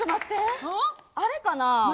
あれかな。